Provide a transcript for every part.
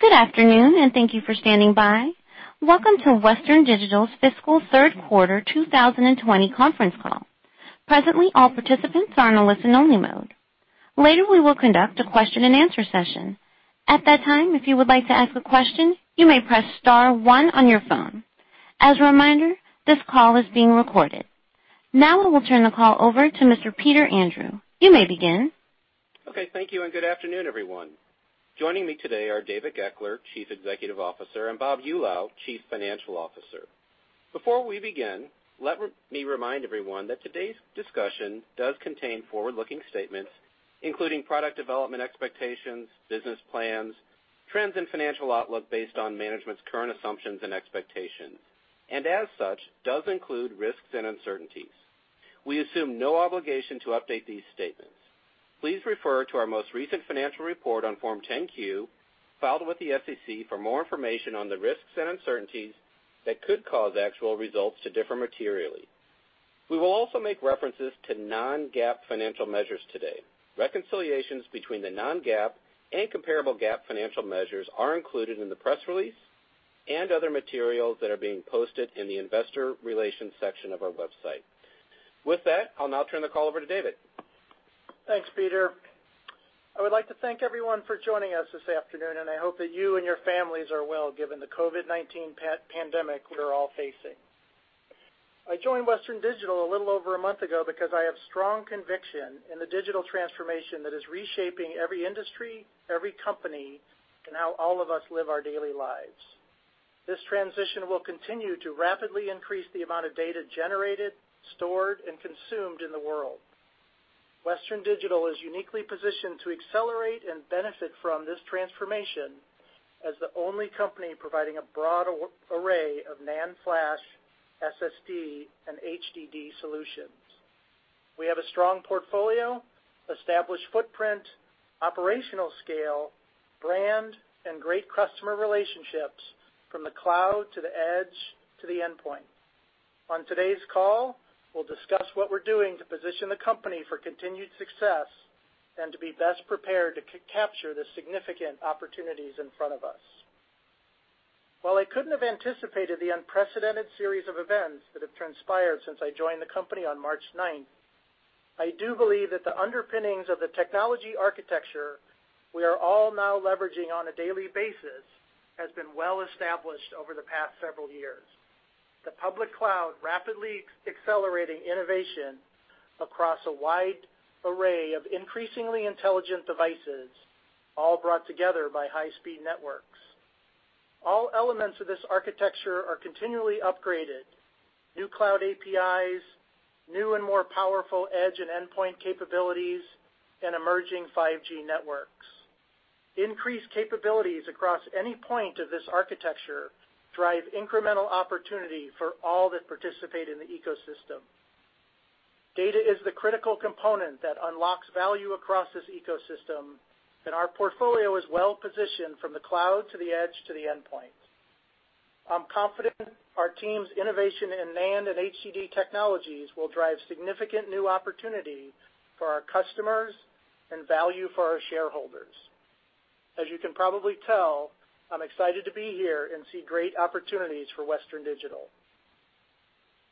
Good afternoon, and thank you for standing by. Welcome to Western Digital's fiscal Q3 2020 conference call. Presently, all participants are in a listen only mode. Later, we will conduct a question and answer session. At that time, if you would like to ask a question, you may press star one on your phone. As a reminder, this call is being recorded. Now we will turn the call over to Mr. Peter Andrew. You may begin. Okay. Thank you, good afternoon, everyone. Joining me today are David Goeckeler, Chief Executive Officer, and Bob Eulau, Chief Financial Officer. Before we begin, let me remind everyone that today's discussion does contain forward-looking statements, including product development expectations, business plans, trends in financial outlook based on management's current assumptions and expectations, and as such, does include risks and uncertainties. We assume no obligation to update these statements. Please refer to our most recent financial report on Form 10-Q filed with the SEC for more information on the risks and uncertainties that could cause actual results to differ materially. We will also make references to non-GAAP financial measures today. Reconciliations between the non-GAAP and comparable GAAP financial measures are included in the press release and other materials that are being posted in the investor relations section of our website. With that, I'll now turn the call over to David. Thanks, Peter. I would like to thank everyone for joining us this afternoon, and I hope that you and your families are well, given the COVID-19 pandemic we're all facing. I joined Western Digital a little over a month ago because I have strong conviction in the digital transformation that is reshaping every industry, every company, and how all of us live our daily lives. This transition will continue to rapidly increase the amount of data generated, stored, and consumed in the world. Western Digital is uniquely positioned to accelerate and benefit from this transformation as the only company providing a broad array of NAND flash, SSD, and HDD solutions. We have a strong portfolio, established footprint, operational scale, brand, and great customer relationships from the cloud to the edge to the endpoint. On today's call, we'll discuss what we're doing to position the company for continued success and to be best prepared to capture the significant opportunities in front of us. While I couldn't have anticipated the unprecedented series of events that have transpired since I joined the company on March 9th, I do believe that the underpinnings of the technology architecture we are all now leveraging on a daily basis has been well established over the past several years. The public cloud rapidly accelerating innovation across a wide array of increasingly intelligent devices, all brought together by high-speed networks. All elements of this architecture are continually upgraded. New cloud APIs, new and more powerful edge and endpoint capabilities, and emerging 5G networks. Increased capabilities across any point of this architecture drive incremental opportunity for all that participate in the ecosystem. Data is the critical component that unlocks value across this ecosystem, and our portfolio is well-positioned from the cloud to the edge to the endpoint. I'm confident our team's innovation in NAND and HDD technologies will drive significant new opportunity for our customers and value for our shareholders. As you can probably tell, I'm excited to be here and see great opportunities for Western Digital.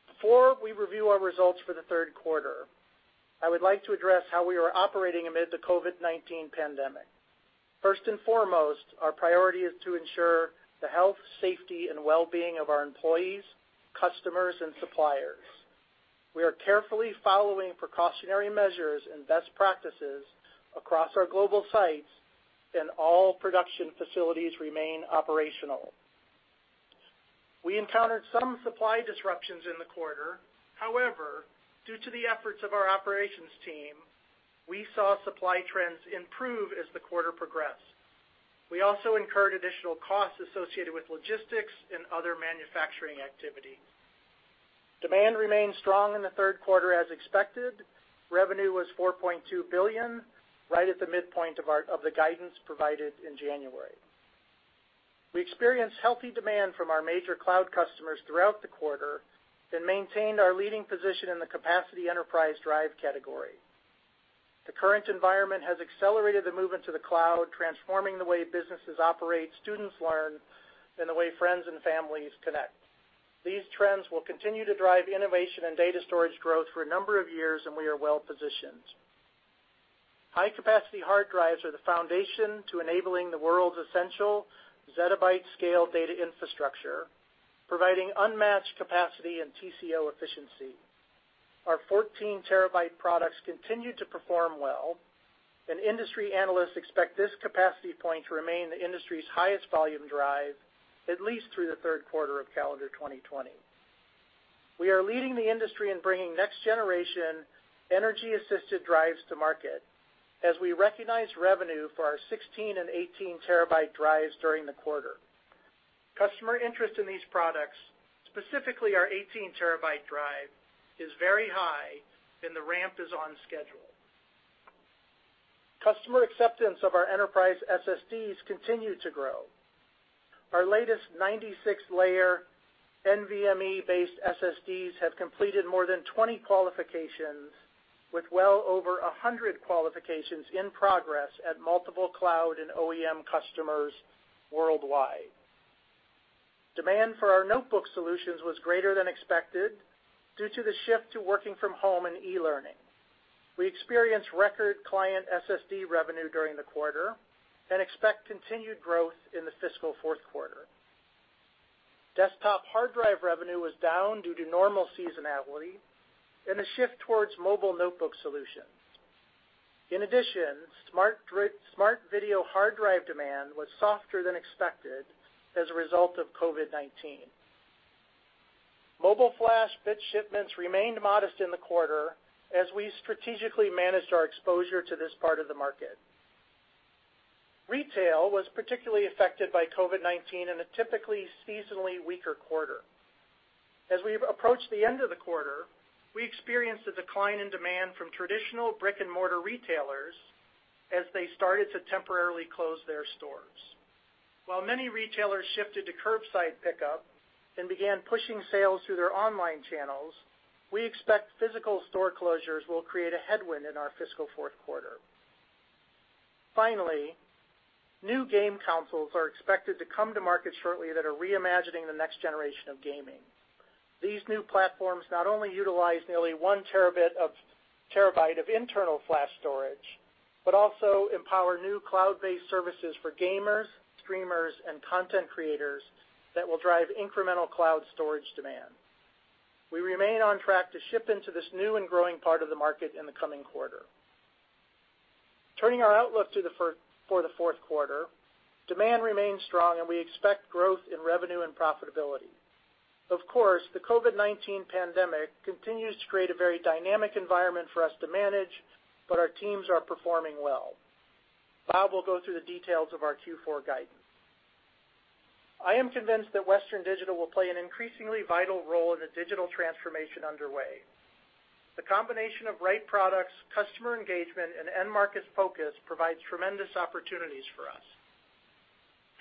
Before we review our results for the Q3, I would like to address how we are operating amid the COVID-19 pandemic. First and foremost, our priority is to ensure the health, safety, and wellbeing of our employees, customers, and suppliers. We are carefully following precautionary measures and best practices across our global sites, and all production facilities remain operational. We encountered some supply disruptions in the quarter. However, due to the efforts of our operations team, we saw supply trends improve as the quarter progressed. We also incurred additional costs associated with logistics and other manufacturing activities. Demand remained strong in the third quarter as expected. Revenue was $4.2 billion, right at the midpoint of the guidance provided in January. We experienced healthy demand from our major cloud customers throughout the quarter and maintained our leading position in the capacity enterprise drive category. The current environment has accelerated the movement to the cloud, transforming the way businesses operate, students learn, and the way friends and families connect. These trends will continue to drive innovation and data storage growth for a number of years, and we are well-positioned. High-capacity hard drives are the foundation to enabling the world's essential zettabyte-scale data infrastructure, providing unmatched capacity and TCO efficiency. Our 14-terabyte products continued to perform well, and industry analysts expect this capacity point to remain the industry's highest volume drive at least through the Q3of calendar 2020. We are leading the industry in bringing next-generation energy-assisted drives to market as we recognize revenue for our 16- and 18-terabyte drives during the quarter. Customer interest in these products, specifically our 18-terabyte drive, is very high, and the ramp is on schedule. Customer acceptance of our enterprise SSDs continued to grow. Our latest 96-layer NVMe-based SSDs have completed more than 20 qualifications with well over 100 qualifications in progress at multiple cloud and OEM customers worldwide. Demand for our notebook solutions was greater than expected due to the shift to working from home and e-learning. We experienced record client SSD revenue during the quarter and expect continued growth in the fiscal fourth quarter. Desktop hard drive revenue was down due to normal seasonality and a shift towards mobile notebook solutions. In addition, smart video hard drive demand was softer than expected as a result of COVID-19. Mobile flash bit shipments remained modest in the quarter as we strategically managed our exposure to this part of the market. Retail was particularly affected by COVID-19 in a typically seasonally weaker quarter. As we approached the end of the quarter, we experienced a decline in demand from traditional brick-and-mortar retailers as they started to temporarily close their stores. While many retailers shifted to curbside pickup and began pushing sales through their online channels, we expect physical store closures will create a headwind in our fiscal Q4. Finally, new game consoles are expected to come to market shortly that are reimagining the next generation of gaming. These new platforms not only utilize nearly one terabyte of internal flash storage, but also empower new cloud-based services for gamers, streamers, and content creators that will drive incremental cloud storage demand. We remain on track to ship into this new and growing part of the market in the coming quarter. Turning our outlook for the fourth quarter, demand remains strong, and we expect growth in revenue and profitability. Of course, the COVID-19 pandemic continues to create a very dynamic environment for us to manage, but our teams are performing well. Bob will go through the details of our Q4 guidance. I am convinced that Western Digital will play an increasingly vital role in the digital transformation underway. The combination of right products, customer engagement, and end-market focus provides tremendous opportunities for us.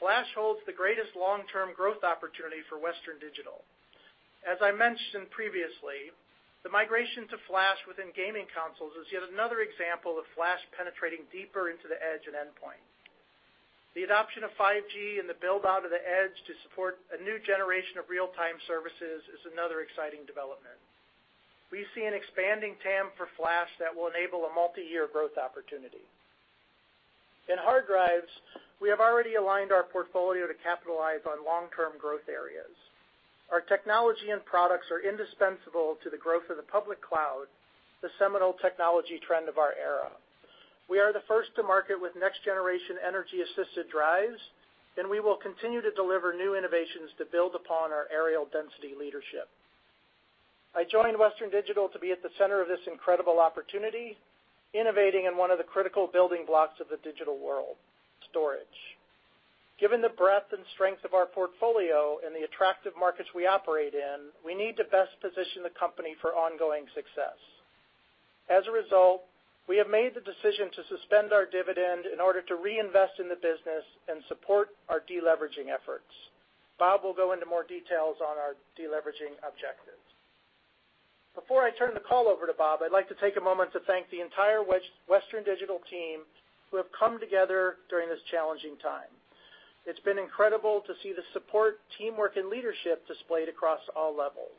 Flash holds the greatest long-term growth opportunity for Western Digital. As I mentioned previously, the migration to flash within gaming consoles is yet another example of flash penetrating deeper into the edge and endpoint. The adoption of 5G and the build-out of the edge to support a new generation of real-time services is another exciting development. We see an expanding TAM for flash that will enable a multi-year growth opportunity. In hard drives, we have already aligned our portfolio to capitalize on long-term growth areas. Our technology and products are indispensable to the growth of the public cloud, the seminal technology trend of our era. We are the first to market with next-generation energy-assisted drives, and we will continue to deliver new innovations to build upon our areal density leadership. I joined Western Digital to be at the center of this incredible opportunity, innovating in one of the critical building blocks of the digital world, storage. Given the breadth and strength of our portfolio and the attractive markets we operate in, we need to best position the company for ongoing success. As a result, we have made the decision to suspend our dividend in order to reinvest in the business and support our deleveraging efforts. Bob will go into more details on our deleveraging objectives. Before I turn the call over to Bob, I'd like to take a moment to thank the entire Western Digital team who have come together during this challenging time. It's been incredible to see the support, teamwork, and leadership displayed across all levels.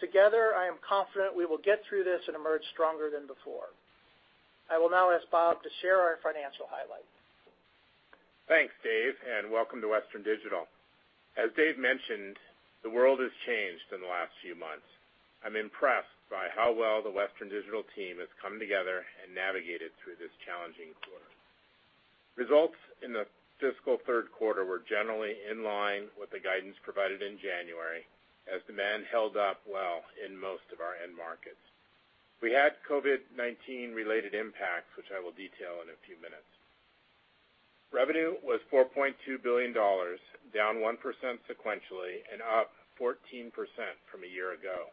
Together, I am confident we will get through this and emerge stronger than before. I will now ask Bob to share our financial highlights. Thanks, Dave, and welcome to Western Digital. As Dave mentioned, the world has changed in the last few months. I'm impressed by how well the Western Digital team has come together and navigated through this challenging quarter. Results in the fiscal Q3 were generally in line with the guidance provided in January as demand held up well in most of our end markets. We had COVID-19-related impacts, which I will detail in a few minutes. Revenue was $4.2 billion, down 1% sequentially and up 14% from a year ago.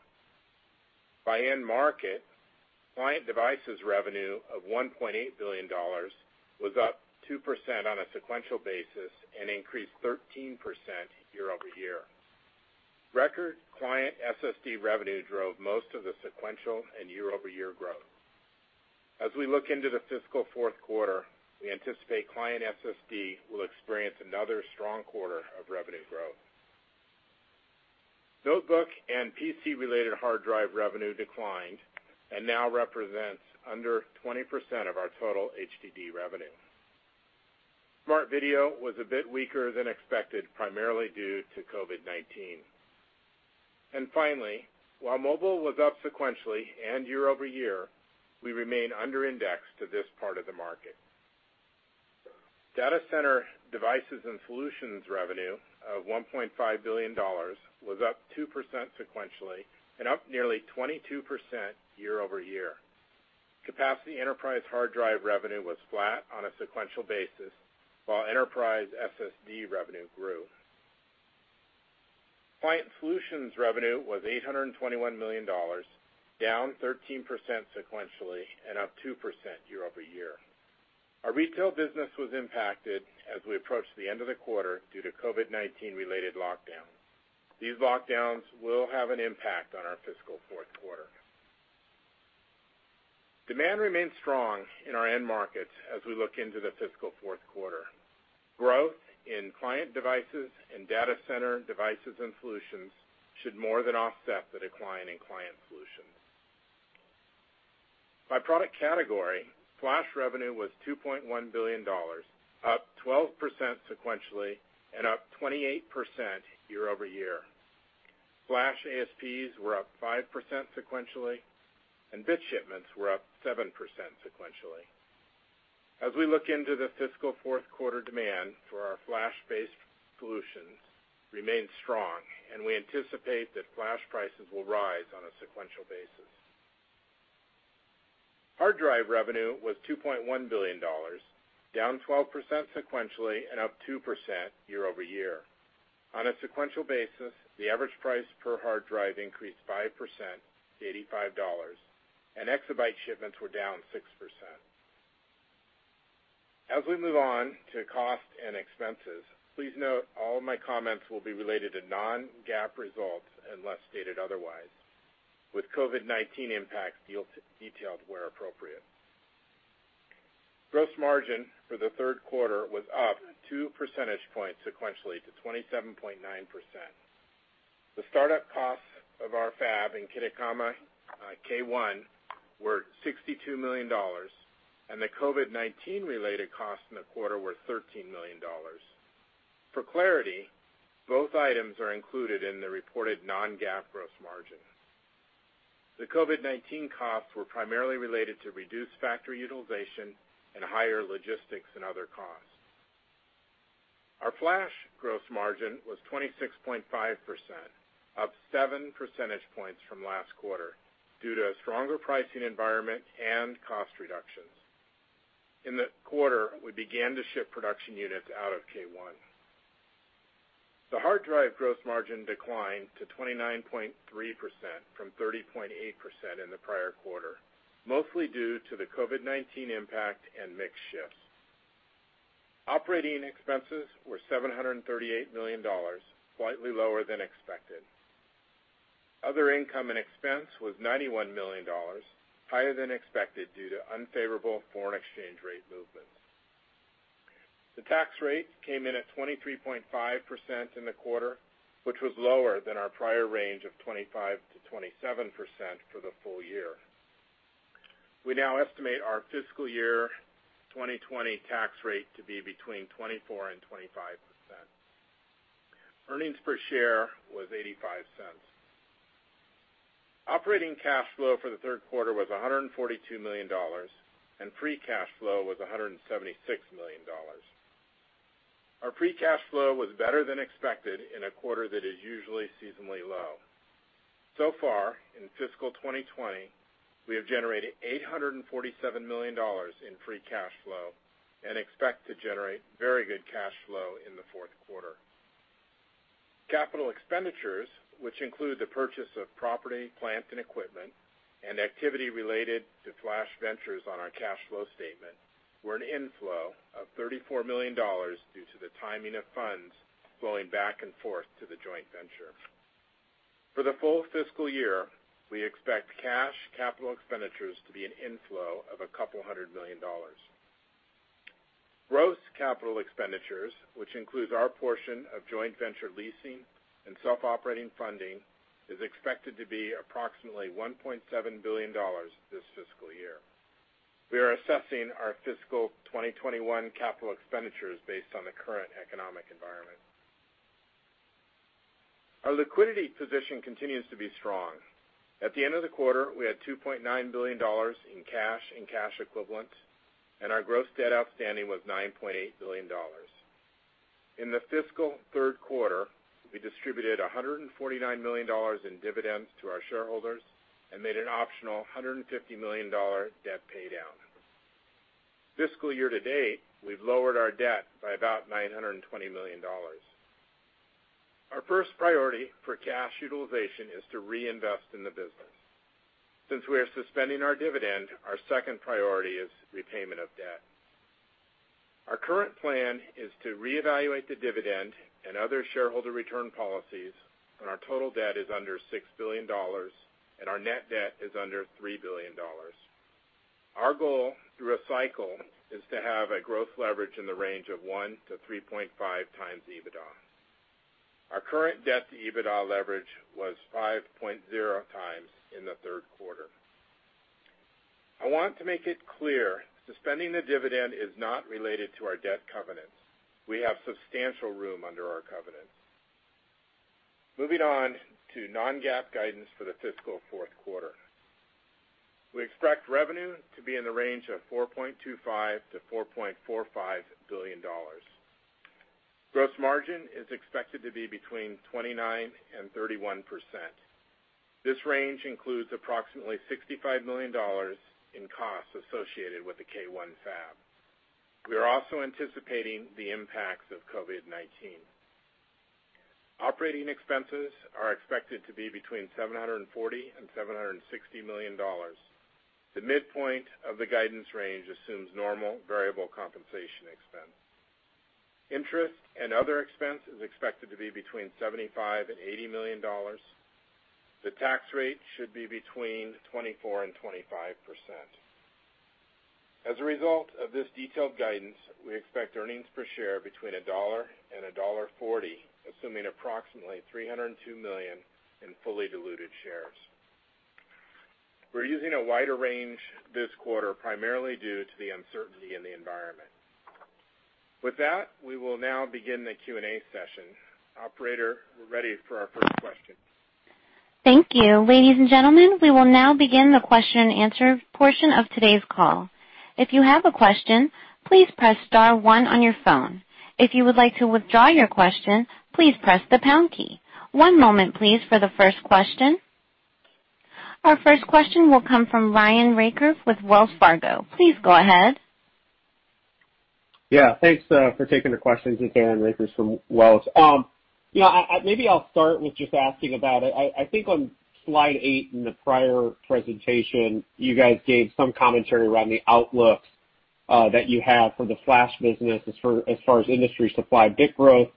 By end market, client devices revenue of $1.8 billion was up two percent on a sequential basis and increased 13% year-over-year. Record client SSD revenue drove most of the sequential and year-over-year growth. As we look into the fiscal Q4, we anticipate client SSD will experience another strong quarter of revenue growth. Notebook and PC-related hard drive revenue declined and now represents under 20% of our total HDD revenue. Smart video was a bit weaker than expected, primarily due to COVID-19. Finally, while mobile was up sequentially and year-over-year, we remain under indexed to this part of the market. Data center devices and solutions revenue of $1.5 billion was up two percent sequentially and up nearly 22% year-over-year. Capacity enterprise hard drive revenue was flat on a sequential basis, while enterprise SSD revenue grew. Client solutions revenue was $821 million, down 13% sequentially and up two percent year-over-year. Our retail business was impacted as we approached the end of the quarter due to COVID-19 related lockdowns. These lockdowns will have an impact on our fiscal fourth quarter. Demand remains strong in our end markets as we look into the fiscal Q4. Growth in client devices and data center devices and solutions should more than offset the decline in client solutions. By product category, flash revenue was $2.1 billion, up 12% sequentially and up 28% year-over-year. Flash ASPs were up five percent sequentially, and bit shipments were up seven percent sequentially. As we look into the fiscal fourth quarter, demand for our flash-based solutions remains strong, and we anticipate that flash prices will rise on a sequential basis. Hard drive revenue was $2.1 billion, down 12% sequentially and up two percent year-over-year. On a sequential basis, the average price per hard drive increased five percent to $85, and exabyte shipments were down six percent. As we move on to cost and expenses, please note all of my comments will be related to non-GAAP results unless stated otherwise, with COVID-19 impacts detailed where appropriate. Gross margin for the Q3 was up two percentage points sequentially to 27.9%. The startup costs of our fab in Kitakami, K1, were $62 million, and the COVID-19 related costs in the quarter were $13 million. For clarity, both items are included in the reported non-GAAP gross margin. The COVID-19 costs were primarily related to reduced factory utilization and higher logistics and other costs. Our flash gross margin was 26.5%, up seven percentage points from last quarter due to a stronger pricing environment and cost reductions. In the quarter, we began to ship production units out of K1. The hard drive gross margin declined to 29.3% from 30.8% in the prior quarter, mostly due to the COVID-19 impact and mix shifts. Operating expenses were $738 million, slightly lower than expected. Other income and expense was $91 million, higher than expected due to unfavorable foreign exchange rate movements. The tax rate came in at 23.5% in the quarter, which was lower than our prior range of 25%-27% for the full year. We now estimate our fiscal year 2020 tax rate to be between 24% and 25%. Earnings per share was $0.85. Operating cash flow for the Q3 was $142 million, and free cash flow was $176 million. Our free cash flow was better than expected in a quarter that is usually seasonally low. Far in fiscal 2020, we have generated $847 million in free cash flow and expect to generate very good cash flow in the Q4. Capital expenditures, which include the purchase of property, plant, and equipment and activity related to Flash Ventures on our cash flow statement, were an inflow of $34 million due to the timing of funds flowing back and forth to the joint venture. For the full fiscal year, we expect cash capital expenditures to be an inflow of a couple hundred million dollars. Gross capital expenditures, which includes our portion of joint venture leasing and self-operating funding, is expected to be approximately $1.7 billion this fiscal year. We are assessing our fiscal 2021 capital expenditures based on the current economic environment. Our liquidity position continues to be strong. At the end of the quarter, we had $2.9 billion in cash and cash equivalents, and our gross debt outstanding was $9.8 billion. In the fiscal Q4, we distributed $149 million in dividends to our shareholders and made an optional $150 million debt paydown. Fiscal year to date, we've lowered our debt by about $920 million. Our first priority for cash utilization is to reinvest in the business. Since we are suspending our dividend, our second priority is repayment of debt. Our current plan is to reevaluate the dividend and other shareholder return policies when our total debt is under $6 billion and our net debt is under $3 billion. Our goal through a cycle is to have a gross leverage in the range of 1x - 3.5x EBITDA. Our current debt-to-EBITDA leverage was 5.0x in the Q3. I want to make it clear, suspending the dividend is not related to our debt covenants. We have substantial room under our covenant. Moving on to non-GAAP guidance for the fiscal Q4. We expect revenue to be in the range of $4.25 - $4.45 billion. Gross margin is expected to be between 29% and 31%. This range includes approximately $65 million in costs associated with the K1 fab. We are also anticipating the impacts of COVID-19. Operating expenses are expected to be between $740 and $760 million. The midpoint of the guidance range assumes normal variable compensation expense. Interest and other expense is expected to be between $75 million and $80 million. The tax rate should be between 24% and 25%. As a result of this detailed guidance, we expect earnings per share between $1 and $1.40, assuming approximately 302 million in fully diluted shares. We're using a wider range this quarter primarily due to the uncertainty in the environment. With that, we will now begin the Q&A session. Operator, we're ready for our first question. Thank you. Ladies and gentlemen, we will now begin the question and answer portion of today's call. If you have a question, please press star one on your phone. If you would like to withdraw your question, please press the pound key. One moment, please, for the first question. Our first question will come from Aaron Rakers with Wells Fargo. Please go ahead. Yeah. Thanks for taking the questions. Again, Aaron Rakers from Wells Fargo. Maybe I'll start with just asking about, I think on slide eight in the prior presentation, you guys gave some commentary around the outlooks that you have for the flash business as far as industry supply bit growth,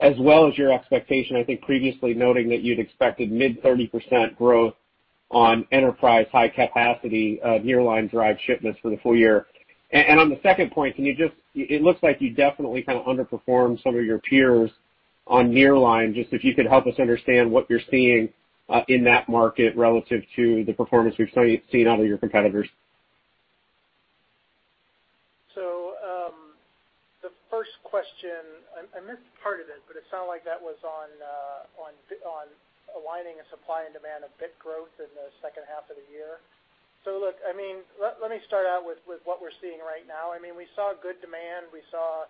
as well as your expectation, I think previously noting that you'd expected mid 30% growth on enterprise high capacity nearline drive shipments for the full year. On the second point, it looks like you definitely kind of underperformed some of your peers on nearline. Just if you could help us understand what you're seeing in that market relative to the performance we've seen out of your competitors. The first question, I missed part of it, but it sounded like that was on aligning the supply and demand of bit growth in the second half of the year. Look, let me start out with what we're seeing right now. We saw good demand. We saw,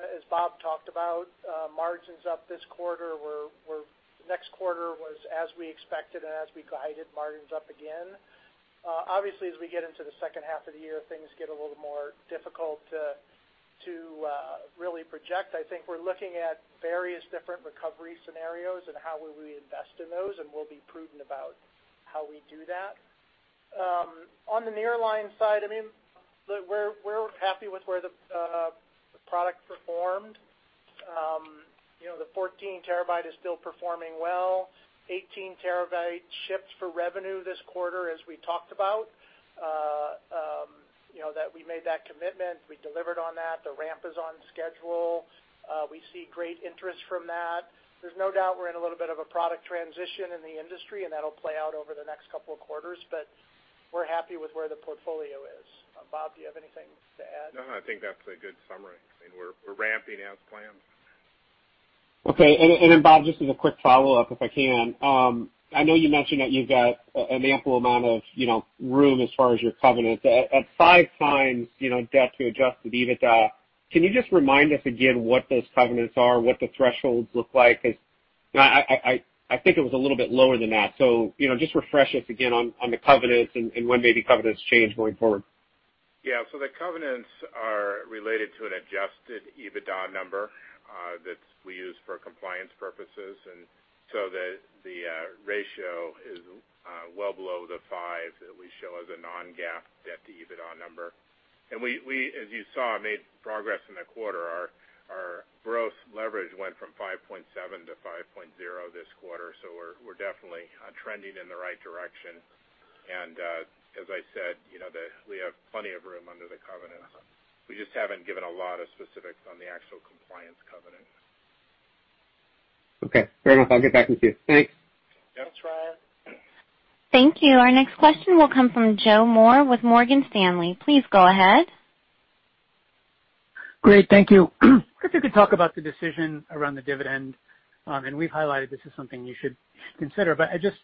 as Bob talked about, margins up this quarter, where next quarter was as we expected and as we guided margins up again. As we get into the second half of the year, things get a little more difficult to really project. I think we're looking at various different recovery scenarios and how would we invest in those, and we'll be prudent about how we do that. On the nearline side, we're happy with where the product performed. The 14 terabyte is still performing well. 18 TB shipped for revenue this quarter, as we talked about, that we made that commitment, we delivered on that. The ramp is on schedule. We see great interest from that. There's no doubt we're in a little bit of a product transition in the industry, and that'll play out over the next couple of quarters, but we're happy with where the portfolio is. Bob Eulau, do you have anything to add? No, I think that's a good summary. We're ramping as planned. Okay. Bob, just as a quick follow-up, if I can. I know you mentioned that you've got an ample amount of room as far as your covenants. At 5x debt to adjusted EBITDA, can you just remind us again what those covenants are, what the thresholds look like? I think it was a little bit lower than that. Just refresh us again on the covenants and when maybe covenants change going forward. The covenants are related to an adjusted EBITDA number that we use for compliance purposes. The ratio is well below the five that we show as a non-GAAP debt to EBITDA number. We, as you saw, made progress in the quarter. Our gross leverage went from 5.7 -5.0 this quarter. We're definitely trending in the right direction, and as I said, we have plenty of room under the covenants. We just haven't given a lot of specifics on the actual compliance covenant. Okay. Fair enough. I'll get back with you. Thanks. Thanks, Aaron. Thank you. Our next question will come from Joseph Moore with Morgan Stanley. Please go ahead. Great. Thank you. If you could talk about the decision around the dividend, we've highlighted this is something you should consider, but I'm just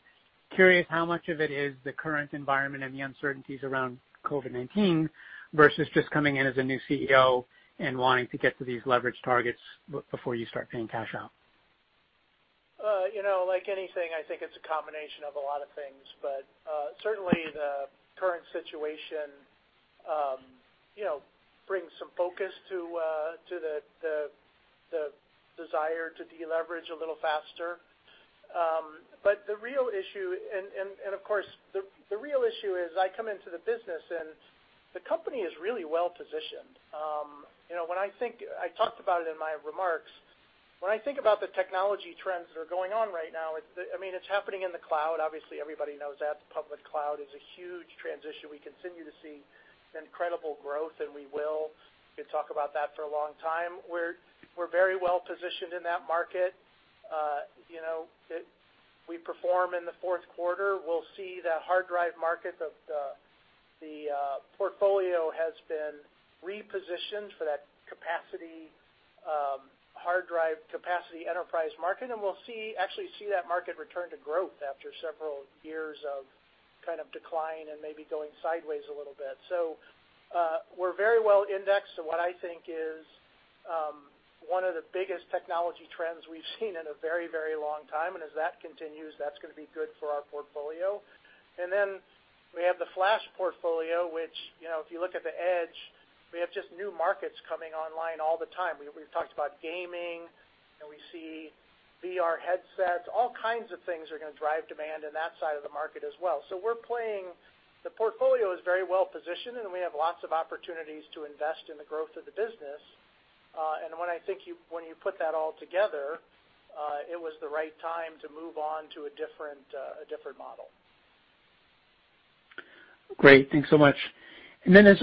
curious how much of it is the current environment and the uncertainties around COVID-19 versus just coming in as a new CEO and wanting to get to these leverage targets before you start paying cash out. Like anything, I think it's a combination of a lot of things, but certainly the current situation brings some focus to the desire to deleverage a little faster. Of course, the real issue is I come into the business and the company is really well-positioned. I talked about it in my remarks. When I think about the technology trends that are going on right now, it's happening in the cloud. Obviously, everybody knows that. The public cloud is a huge transition. We continue to see incredible growth, and we will. We could talk about that for a long time. We're very well positioned in that market. We perform in the Q4. We'll see the hard drive market of the portfolio has been repositioned for that hard drive capacity enterprise market. We'll actually see that market return to growth after several years of decline and maybe going sideways a little bit. We're very well indexed to what I think is one of the biggest technology trends we've seen in a very long time, and as that continues, that's going to be good for our portfolio. We have the flash portfolio, which, if you look at the edge, we have just new markets coming online all the time. We've talked about gaming, and we see VR headsets. All kinds of things are going to drive demand in that side of the market as well. The portfolio is very well-positioned, and we have lots of opportunities to invest in the growth of the business. When you put that all together, it was the right time to move on to a different model. Great. Thanks so much. As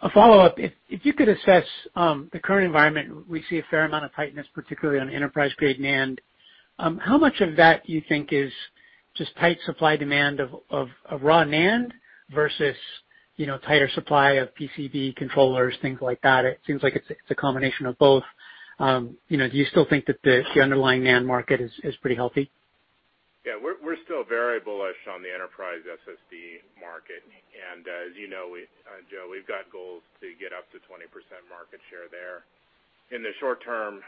a follow-up, if you could assess the current environment, we see a fair amount of tightness, particularly on enterprise-grade NAND. How much of that you think is just tight supply-demand of raw NAND versus tighter supply of PCB controllers, things like that? It seems like it's a combination of both. Do you still think that the underlying NAND market is pretty healthy? Yeah. We're still very bullish on the enterprise SSD market. As you know, Joe, we've got goals to get up to 20% market share there. In the short term,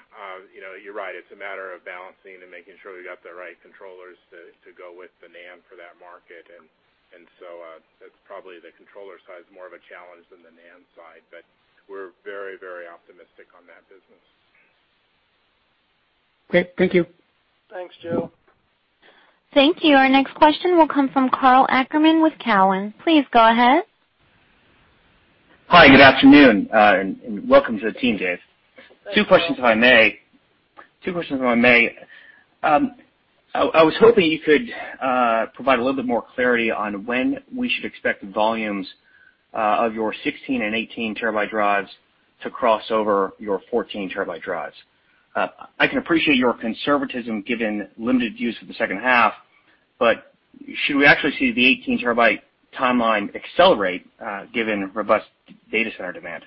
you're right, it's a matter of balancing and making sure we got the right controllers to go with the NAND for that market. That's probably the controller side is more of a challenge than the NAND side, but we're very optimistic on that business. Great. Thank you. Thanks, Joe. Thank you. Our next question will come from Karl Ackerman with Cowen. Please go ahead. Hi, good afternoon. Welcome to the team, Dave. Thanks, Karl. Two questions, if I may. I was hoping you could provide a little bit more clarity on when we should expect the volumes of your 16- and 18-terabyte drives to cross over your 14-terabyte drives. Should we actually see the 18-terabyte timeline accelerate given robust data center demand?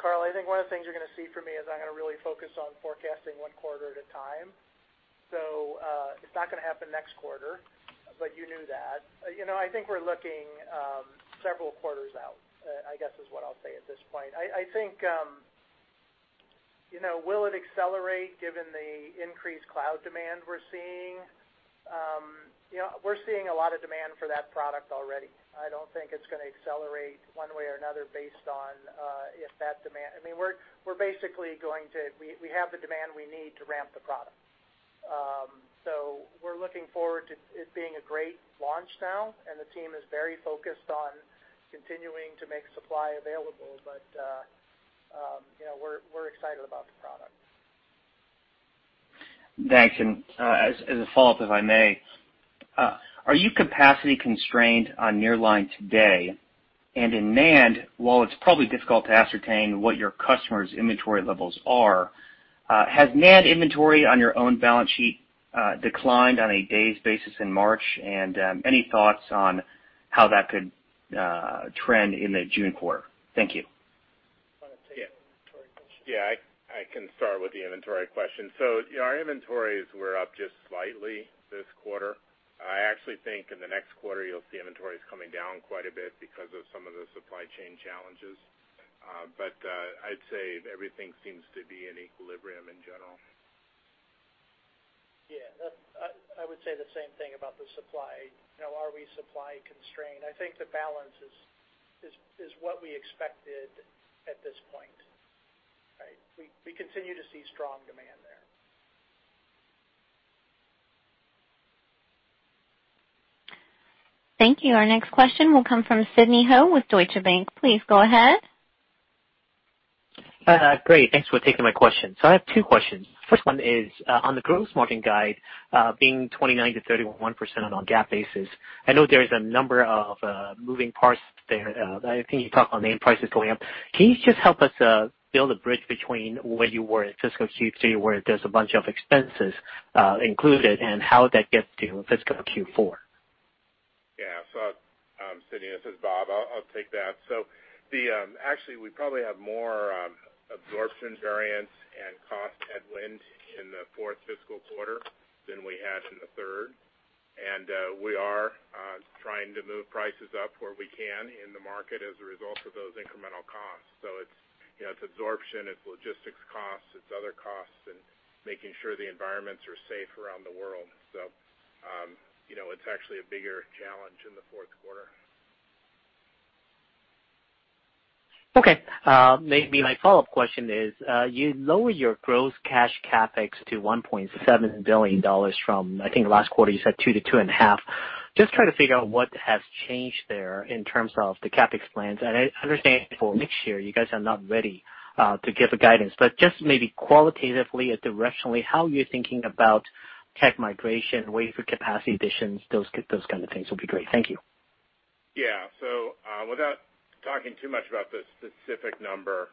Karl, I think one of the things you're going to see from me is I'm going to really focus on forecasting Q1 at a time. It's not going to happen next quarter, but you knew that. I think we're looking several quarters out, I guess is what I'll say at this point. Will it accelerate given the increased cloud demand we're seeing? We're seeing a lot of demand for that product already. I don't think it's going to accelerate one way or another based on if that demand we have the demand we need to ramp the product. We're looking forward to it being a great launch now, and the team is very focused on continuing to make supply available, but we're excited about the product. Thanks. As a follow-up, if I may, are you capacity constrained on Nearline today? In NAND, while it's probably difficult to ascertain what your customers' inventory levels are, has NAND inventory on your own balance sheet declined on a days basis in March? Any thoughts on how that could trend in the June quarter? Thank you. You want to take the inventory question? I can start with the inventory question. Our inventories were up just slightly this quarter. I actually think in the next quarter, you'll see inventories coming down quite a bit because of some of the supply chain challenges. I'd say everything seems to be in equilibrium in general. I would say the same thing about the supply. Are we supply constrained? I think the balance is what we expected at this point. We continue to see strong demand there. Thank you. Our next question will come from Sidney Ho with Deutsche Bank. Please go ahead. Great. Thanks for taking my question. I have two questions. First one is, on the gross margin guide, being 29%-31% on a GAAP basis, I know there is a number of moving parts there. I think you talked about NAND prices going up. Can you just help us build a bridge between where you were in fiscal Q3 where there's a bunch of expenses included and how that gets to fiscal Q4? Yeah. Sydney, this is Bob. I'll take that. Actually, we probably have more absorption variance and cost headwind in the fiscal Q4 than we had in the third. We are trying to move prices up where we can in the market as a result of those incremental costs. It's absorption, it's logistics costs, it's other costs, and making sure the environments are safe around the world. It's actually a bigger challenge in the Q4. Okay. Maybe my follow-up question is, you lowered your gross cash CapEx to $1.7 billion from, I think last quarter you said $2 billion-$2.5 billion. Just trying to figure out what has changed there in terms of the CapEx plans. I understand for next year, you guys are not ready to give a guidance, but just maybe qualitatively or directionally, how you're thinking about tech migration, wafer capacity additions, those kind of things would be great. Thank you. Yeah. Without talking too much about the specific number,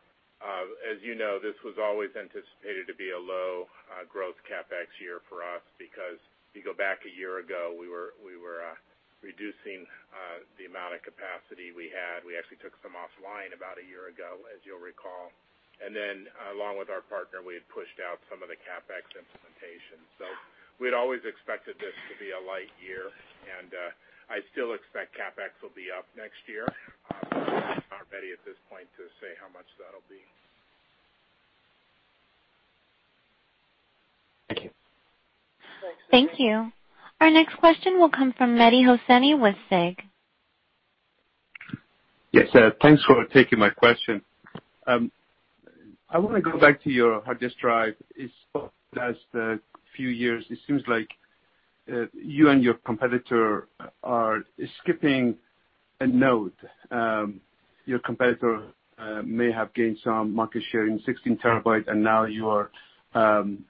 as you know, this was always anticipated to be a low growth CapEx year for us because if you go back a year ago, we were reducing the amount of capacity we had. We actually took some offline about a year ago, as you'll recall. Then along with our partner, we had pushed out some of the CapEx implementation. We had always expected this to be a light year, and I still expect CapEx will be up next year. I'm not ready at this point to say how much that'll be. Thank you. Thank you. Our next question will come from Mehdi Hosseini with SEB. Yes, thanks for taking my question. I want to go back to your hard disk drive. The past two years, it seems like you and your competitor are skipping a node. Your competitor may have gained some market share in 16 terabyte, and now you are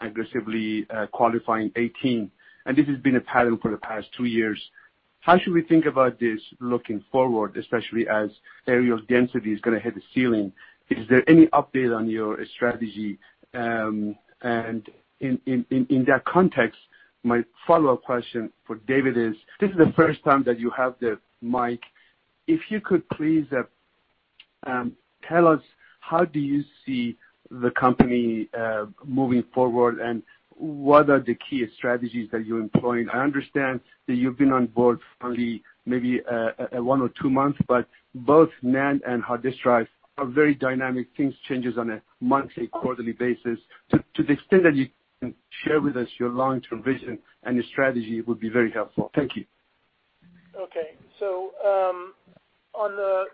aggressively qualifying 18. This has been a pattern for the past two years. How should we think about this looking forward, especially as areal density is going to hit the ceiling? Is there any update on your strategy? In that context, my follow-up question for David is, this is the first time that you have the mic. If you could please tell us how do you see the company moving forward, and what are the key strategies that you're employing? I understand that you've been on board for only maybe one or two months, but both NAND and hard disk drive are very dynamic. Things change on a monthly, quarterly basis. To the extent that you can share with us your long-term vision and your strategy would be very helpful. Thank you. Okay. Thanks, Mehdi. On the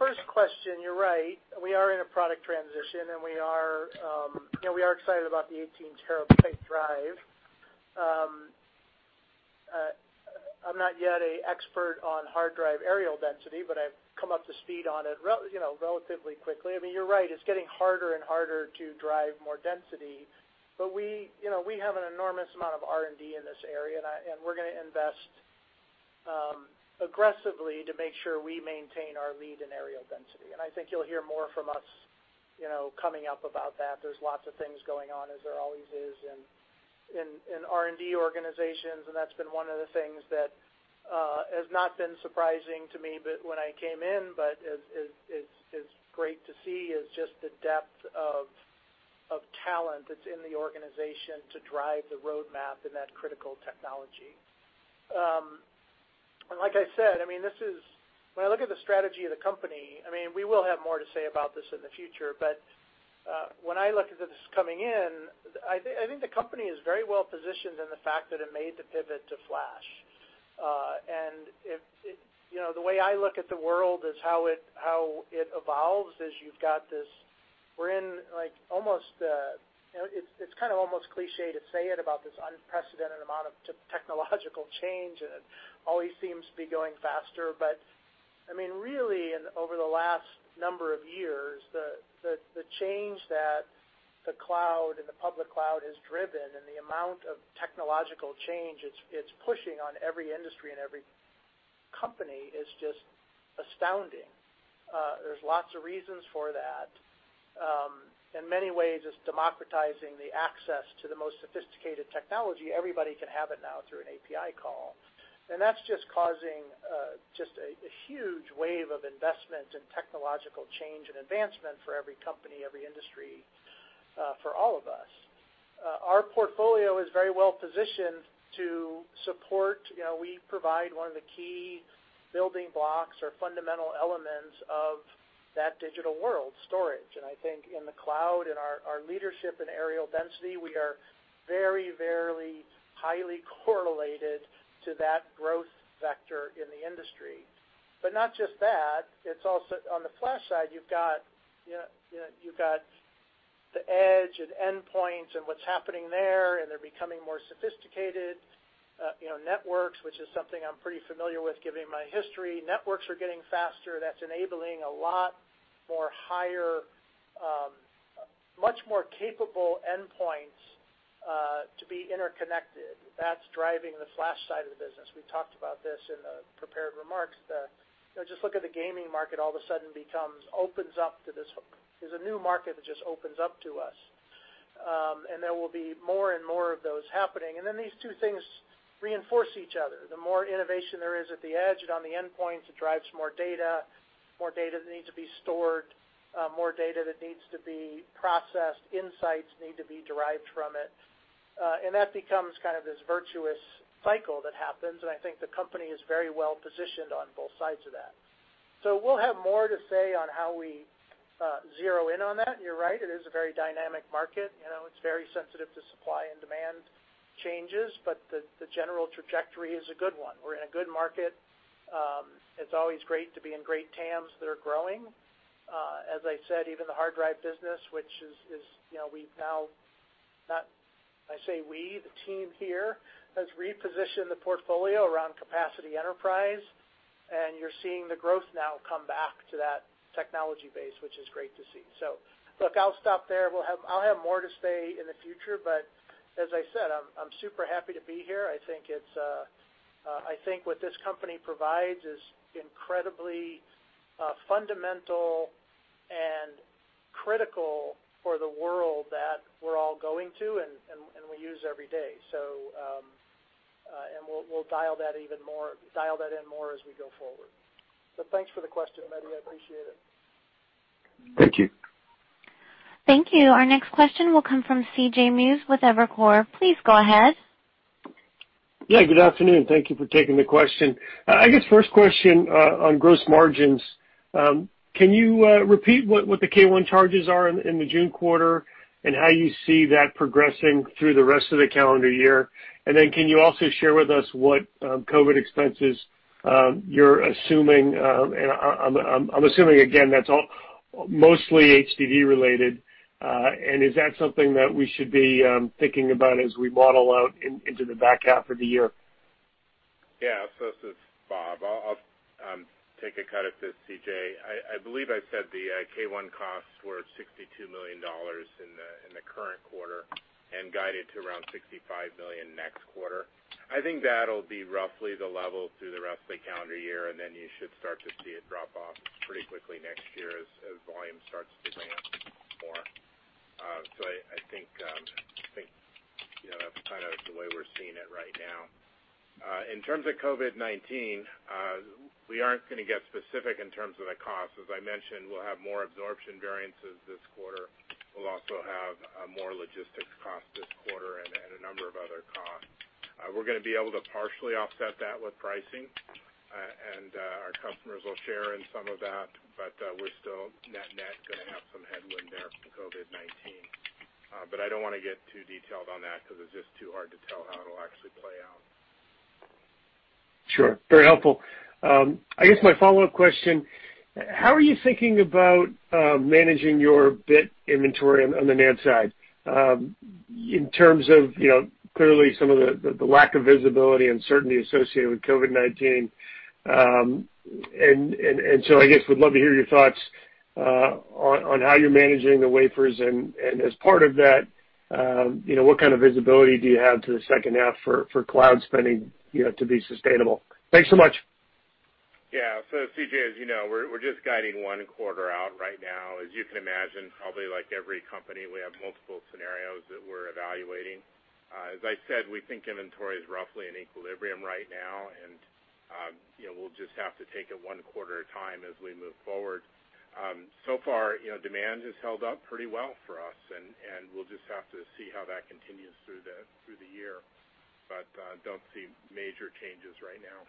first question, you're right. We are in a product transition, and we are excited about the 18-terabyte drive. I'm not yet an expert on hard drive areal density, but I've come up to speed on it relatively quickly. You're right. It's getting harder and harder to drive more density. We have an enormous amount of R&D in this area, and we're going to invest aggressively to make sure we maintain our lead in areal density. I think you'll hear more from us coming up about that. There's lots of things going on, as there always is in R&D organizations, and that's been one of the things that has not been surprising to me when I came in, but it's great to see is just the depth of talent that's in the organization to drive the roadmap in that critical technology. Like I said, when I look at the strategy of the company, we will have more to say about this in the future, but when I look at this coming in, I think the company is very well positioned in the fact that it made the pivot to Flash. The way I look at the world is how it evolves is it's kind of almost cliche to say it about this unprecedented amount of technological change, and it always seems to be going faster. Really, over the last number of years, the change that the cloud and the public cloud has driven and the amount of technological change it's pushing on every industry and every company is just astounding. There's lots of reasons for that. In many ways, it's democratizing the access to the most sophisticated technology. Everybody can have it now through an API call. That's just causing just a huge wave of investment in technological change and advancement for every company, every industry, for all of us. Our portfolio is very well positioned to support. We provide one of the key building blocks or fundamental elements of that digital world: storage. I think in the cloud, in our leadership in areal density, we are very, very highly correlated to that growth vector in the industry. Not just that, it's also on the flash side, you've got the edge and endpoints and what's happening there, and they're becoming more sophisticated. Networks, which is something I'm pretty familiar with given my history. Networks are getting faster. That's enabling a lot more higher, much more capable endpoints to be interconnected. That's driving the flash side of the business. We talked about this in the prepared remarks. Just look at the gaming market all of a sudden opens up to this. There's a new market that just opens up to us. There will be more and more of those happening. These two things reinforce each other. The more innovation there is at the edge and on the endpoint, it drives more data, more data that needs to be stored, more data that needs to be processed, insights need to be derived from it. That becomes kind of this virtuous cycle that happens, and I think the company is very well positioned on both sides of that. We'll have more to say on how we zero in on that, and you're right, it is a very dynamic market. It's very sensitive to supply and demand changes, but the general trajectory is a good one. We're in a good market. It's always great to be in great TAMs that are growing. As I said, even the hard drive business, which we've now, I say we, the team here, has repositioned the portfolio around capacity enterprise, and you're seeing the growth now come back to that technology base, which is great to see. Look, I'll stop there. I'll have more to say in the future, but as I said, I'm super happy to be here. I think what this company provides is incredibly fundamental and critical for the world that we're all going to and we use every day. We'll dial that in more as we go forward. Thanks for the question, Mehdi. I appreciate it. Thank you. Thank you. Our next question will come from CJ Muse with Evercore. Please go ahead. Yeah, good afternoon. Thank you for taking the question. I guess first question on gross margins. Can you repeat what the K1 charges are in the June quarter, and how you see that progressing through the rest of the calendar year? Then can you also share with us what COVID expenses you're assuming, and I'm assuming, again, that's all mostly HDD related. Is that something that we should be thinking about as we model out into the back half of the year? This is Bob. I'll take a cut at this, C.J. I believe I said the K1 costs were $62 million in the current quarter and guided to around $65 million next quarter. I think that'll be roughly the level through the rest of the calendar year, and then you should start to see it drop off pretty quickly next year as volume starts to ramp more. I think that's kind of the way we're seeing it right now. In terms of COVID-19, we aren't going to get specific in terms of the cost. As I mentioned, we'll have more absorption variances this quarter. We'll also have a more logistics cost this quarter and a number of other costs. We're going to be able to partially offset that with pricing, and our customers will share in some of that, but we're still net-net going to have some headwind there from COVID-19. I don't want to get too detailed on that because it's just too hard to tell how it'll actually play out. Sure. Very helpful. I guess my follow-up question, how are you thinking about managing your bit inventory on the NAND side in terms of clearly some of the lack of visibility and certainty associated with COVID-19? I guess would love to hear your thoughts on how you're managing the wafers, and as part of that, what kind of visibility do you have to the second half for cloud spending to be sustainable? Thanks so much. Yeah. C.J., as you know, we're just guiding one quarter out right now. You can imagine, probably like every company, we have multiple scenarios that we're evaluating. As I said, we think inventory is roughly in equilibrium right now, and we'll just have to take it one quarter at a time as we move forward. Far, demand has held up pretty well for us, and we'll just have to see how that continues through the year, but don't see major changes right now.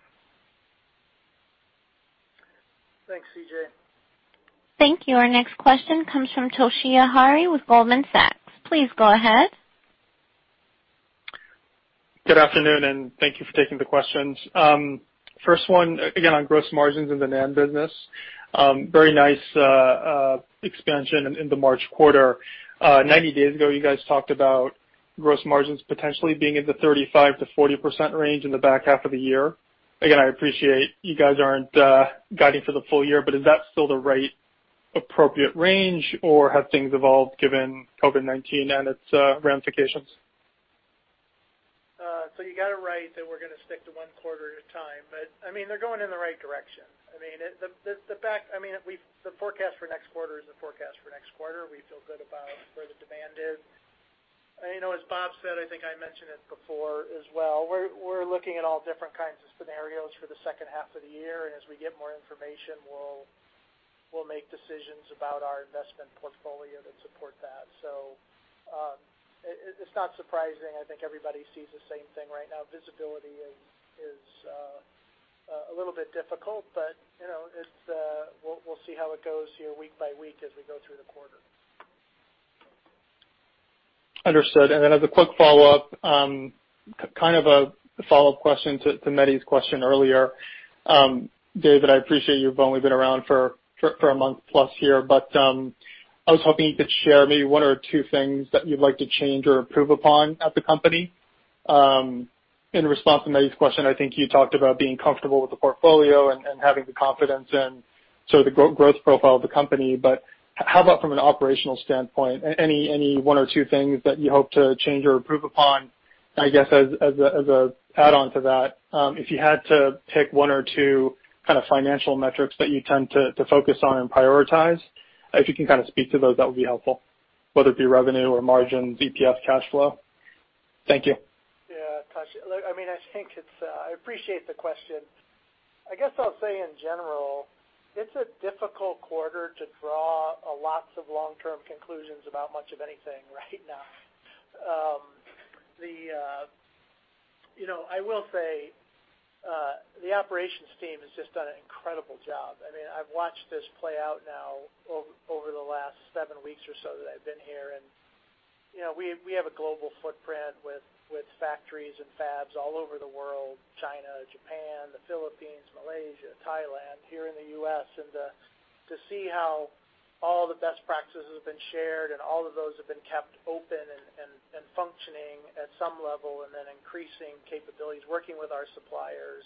Thanks, C.J. Thank you. Our next question comes from Toshiya Hari with Goldman Sachs. Please go ahead. Good afternoon, thank you for taking the questions. First one, again, on gross margins in the NAND business. Very nice expansion in the March quarter. 90 days ago, you guys talked about gross margins potentially being in the 35%-40% range in the back half of the year. Again, I appreciate you guys aren't guiding for the full year, but is that still the right appropriate range, or have things evolved given COVID-19 and its ramifications? You got it right that we're going to stick to Q1 at a time, but they're going in the right direction. The forecast for next quarter is the forecast for next quarter. We feel good about where the demand is. As Bob said, I think I mentioned it before as well, we're looking at all different kinds of scenarios for the second half of the year, and as we get more information, we'll make decisions about our investment portfolio that support that. It's not surprising. I think everybody sees the same thing right now. Visibility is a little bit difficult, but we'll see how it goes here week by week as we go through the quarter. Understood. Then as a quick follow-up, kind of a follow-up question to Mehdi's question earlier. David, I appreciate you've only been around for a month plus here, but I was hoping you could share maybe one or two things that you'd like to change or improve upon at the company. In response to Mehdi's question, I think you talked about being comfortable with the portfolio and having the confidence in sort of the growth profile of the company. How about from an operational standpoint, any one or two things that you hope to change or improve upon? I guess as an add-on to that, if you had to pick one or two kind of financial metrics that you tend to focus on and prioritize, if you can kind of speak to those, that would be helpful, whether it be revenue or margin, BPF cash flow. Thank you. Toshiya. I appreciate the question. I guess I'll say in general, it's a difficult quarter to draw lots of long-term conclusions about much of anything right now. I will say the operations team has just done an incredible job. I've watched this play out now over the last seven weeks or so that I've been here, and we have a global footprint with factories and fabs all over the world, China, Japan, the Philippines, Malaysia, Thailand, here in the U.S., and to see how all the best practices have been shared and all of those have been kept open and functioning at some level and then increasing capabilities, working with our suppliers,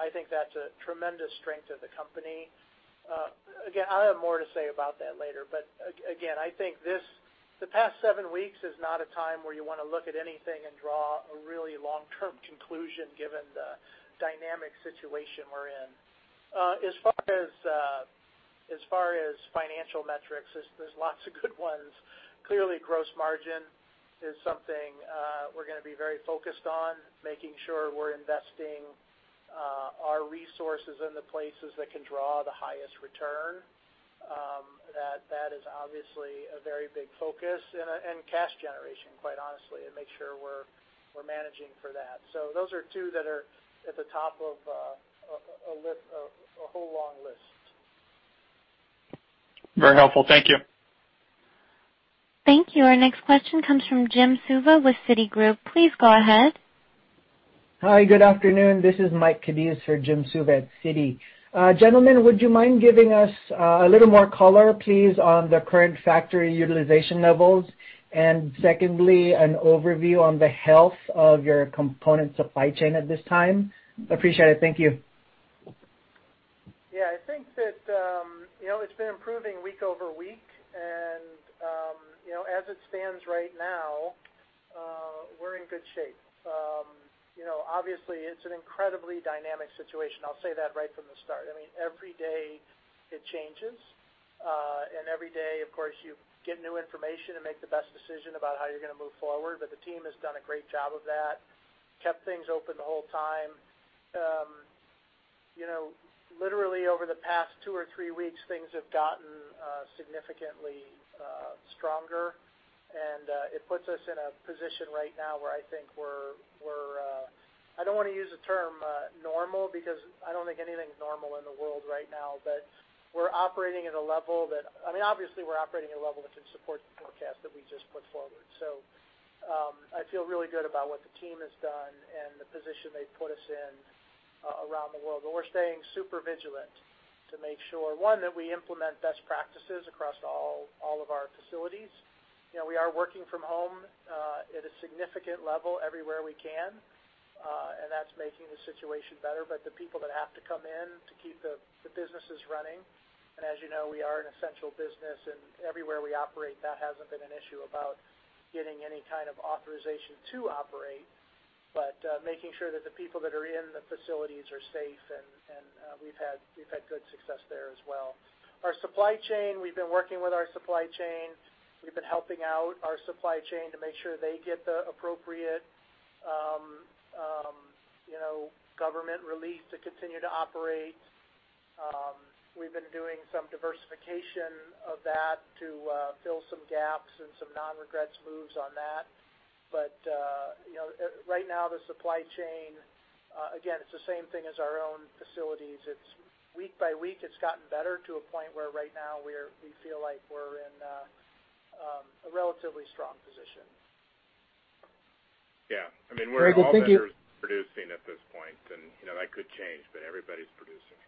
I think that's a tremendous strength of the company. Again, I'll have more to say about that later, again, I think the past seven weeks is not a time where you want to look at anything and draw a really long-term conclusion given the dynamic situation we're in. As far as financial metrics, there's lots of good ones. Clearly, gross margin is something we're going to be very focused on, making sure we're investing our resources in the places that can draw the highest return. That is obviously a very big focus, cash generation, quite honestly, make sure we're managing for that. Those are two that are at the top of a whole long list. Very helpful. Thank you. Thank you. Our next question comes from Jim Suva with Citigroup. Please go ahead. Hi, good afternoon. This is Mike Sidoti for Jim Suva at Citi. Gentlemen, would you mind giving us a little more color, please, on the current factory utilization levels? Secondly, an overview on the health of your component supply chain at this time. Appreciate it. Thank you. Yeah, I think that it's been improving week-over-week. As it stands right now, we're in good shape. Obviously, it's an incredibly dynamic situation. I'll say that right from the start. I mean, every day it changes. Every day, of course, you get new information and make the best decision about how you're going to move forward. The team has done a great job of that, kept things open the whole time. Literally over the past two or three weeks, things have gotten significantly stronger, and it puts us in a position right now where I think I don't want to use the term normal, because I don't think anything's normal in the world right now. We're operating at a level that obviously we're operating at a level that can support the forecast that we just put forward. I feel really good about what the team has done and the position they've put us in around the world. We're staying super vigilant to make sure, one, that we implement best practices across all of our facilities. We are working from home at a significant level everywhere we can, and that's making the situation better. The people that have to come in to keep the businesses running, and as you know, we are an essential business, and everywhere we operate, that hasn't been an issue about getting any kind of authorization to operate. Making sure that the people that are in the facilities are safe, and we've had good success there as well. Our supply chain, we've been working with our supply chain. We've been helping out our supply chain to make sure they get the appropriate government relief to continue to operate. We've been doing some diversification of that to fill some gaps and some non-regrets moves on that. Right now, the supply chain, again, it's the same thing as our own facilities. Week by week, it's gotten better to a point where right now we feel like we're in a relatively strong position. Yeah. I mean. Very good. Thank you. producing at this point, and that could change, but everybody's producing.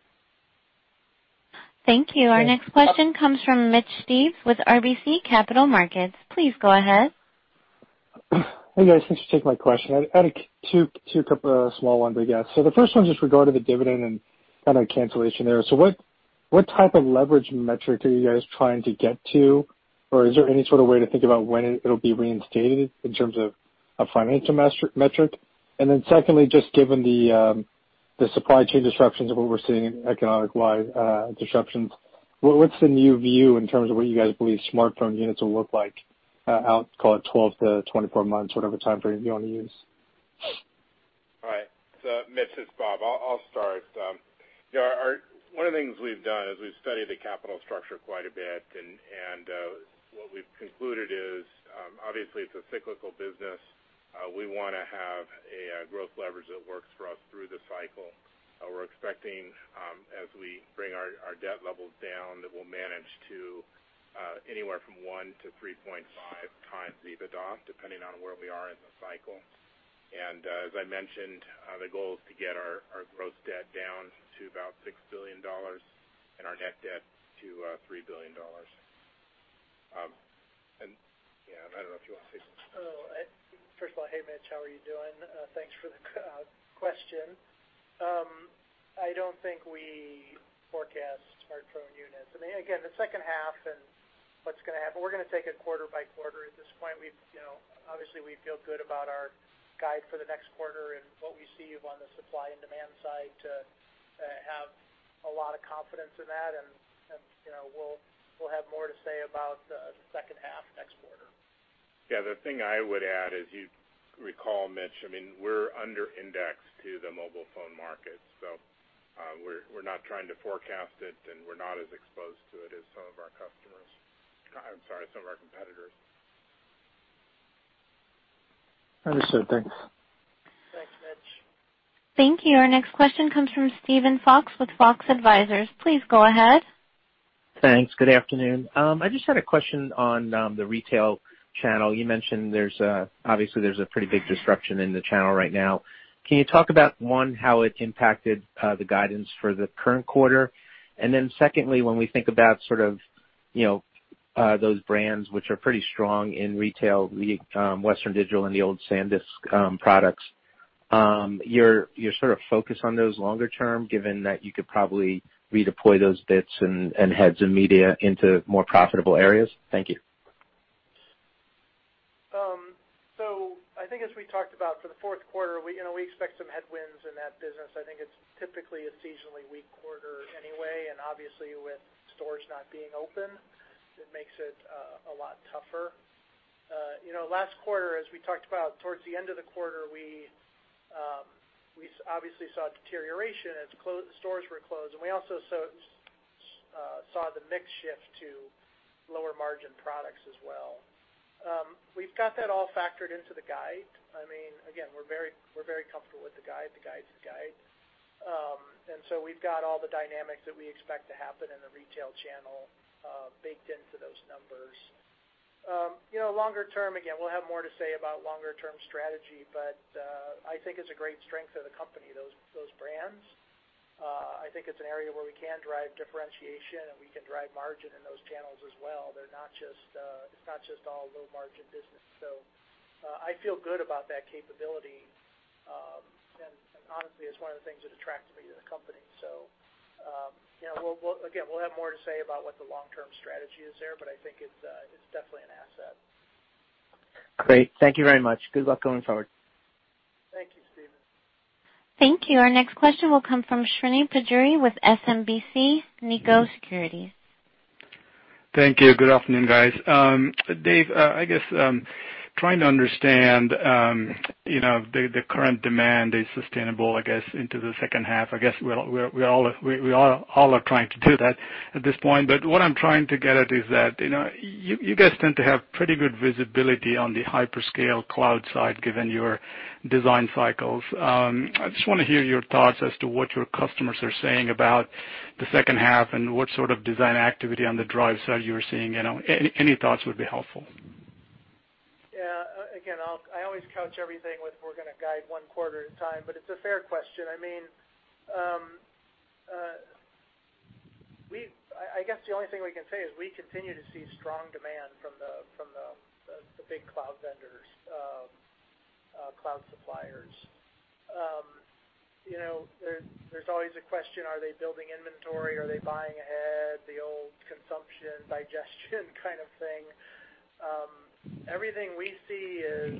Thank you. Our next question comes from Mitch Steves with RBC Capital Markets. Please go ahead. Hey, guys. Thanks for taking my question. I had two small ones, I guess. The first one is just regarding the dividend and kind of cancellation there. What type of leverage metric are you guys trying to get to? Or is there any sort of way to think about when it'll be reinstated in terms of a financial metric? Secondly, just given the supply chain disruptions of what we're seeing economic-wide disruptions, what's the new view in terms of what you guys believe smartphone units will look like out, call it 12 - 24 months, whatever timeframe you want to use? All right. Mitch, it's Bob. I'll start. One of the things we've done is we've studied the capital structure quite a bit. What we've concluded is, obviously it's a cyclical business. We want to have a gross leverage that works for us through the cycle. We're expecting, as we bring our debt levels down, that we'll manage to anywhere from one to 3.5x EBITDA, depending on where we are in the cycle. As I mentioned, the goal is to get our gross debt down to about $6 billion and our net debt to $3 billion. Yeah, I don't know if you want to say something. First of all, hey, Mitch. How are you doing? Thanks for the question. I don't think we forecast smartphone units. Again, the second half and what's going to happen, we're going to take it quarter by quarter at this point. Obviously, we feel good about our guide for the next quarter and what we see on the supply and demand side to have a lot of confidence in that. We'll have more to say about the second half next quarter. Yeah. The thing I would add is, you recall, Mitch, we're under indexed to the mobile phone market, so we're not trying to forecast it, and we're not as exposed to it as some of our customers. I'm sorry, some of our competitors. Understood. Thanks. Thanks, Mitch. Thank you. Our next question comes from Steven Fox with Fox Advisors. Please go ahead. Thanks. Good afternoon. I just had a question on the retail channel. You mentioned obviously there's a pretty big disruption in the channel right now. Can you talk about, one, how it impacted the guidance for the current quarter? Secondly, when we think about those brands which are pretty strong in retail, Western Digital and the old SanDisk products, you're sort of focused on those longer term, given that you could probably redeploy those bits and heads of media into more profitable areas? Thank you. I think as we talked about for the Q4, we expect some headwinds in that business. I think it's typically a seasonally weak quarter anyway, and obviously with stores not being open, it makes it a lot tougher. Last quarter, as we talked about, towards the end of the quarter, we obviously saw deterioration as stores were closed, and we also saw the mix shift to lower margin products as well. We've got that all factored into the guide. Again, we're very comfortable with the guide. The guide is the guide. We've got all the dynamics that we expect to happen in the retail channel baked into those numbers. Longer term, again, we'll have more to say about longer term strategy, but I think it's a great strength of the company, those brands. I think it's an area where we can drive differentiation, and we can drive margin in those channels as well. It's not just all low margin business. I feel good about that capability, and honestly, it's one of the things that attracted me to the company. Again, we'll have more to say about what the long-term strategy is there, but I think it's definitely an asset. Great. Thank you very much. Good luck going forward. Thank you, Steven. Thank you. Our next question will come from Srini Pajjuri with SMBC Nikko Securities. Thank you. Good afternoon, guys. Dave, I guess trying to understand the current demand is sustainable, I guess, into the second half. I guess we all are trying to do that at this point, but what I'm trying to get at is that you guys tend to have pretty good visibility on the hyperscale cloud side, given your design cycles. I just want to hear your thoughts as to what your customers are saying about the second half and what sort of design activity on the drive side you are seeing. Any thoughts would be helpful. Yeah. I always couch everything with we're going to guide Q1 at a time, but it's a fair question. I guess the only thing we can say is we continue to see strong demand from the big cloud vendors, cloud suppliers. There's always a question, are they building inventory? Are they buying ahead? The old consumption digestion kind of thing. Everything we see is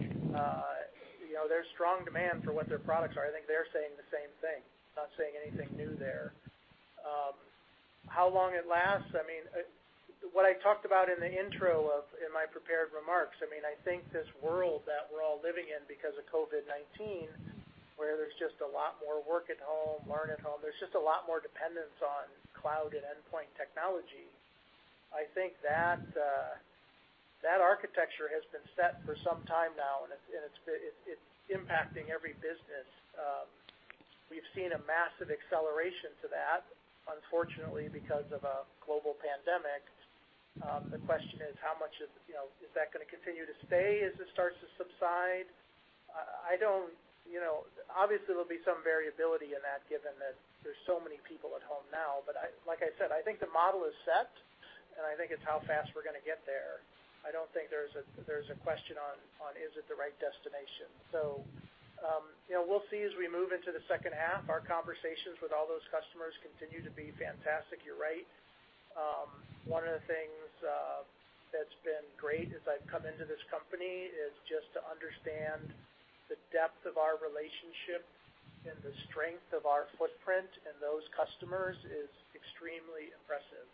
there's strong demand for what their products are. I think they're saying the same thing, not saying anything new there. How long it lasts, what I talked about in the intro of in my prepared remarks, I think this world that we're all living in because of COVID-19, where there's just a lot more work at home, learn at home, there's just a lot more dependence on cloud and endpoint technology. I think that architecture has been set for some time now, and it's impacting every business. We've seen a massive acceleration to that, unfortunately, because of a global pandemic. The question is how much is that going to continue to stay as it starts to subside? Obviously, there'll be some variability in that, given that there's so many people at home now. Like I said, I think the model is set, and I think it's how fast we're going to get there. I don't think there's a question on is it the right destination. We'll see as we move into the second half. Our conversations with all those customers continue to be fantastic, you're right. One of the things that's been great as I've come into this company is just to understand the depth of our relationship and the strength of our footprint in those customers is extremely impressive.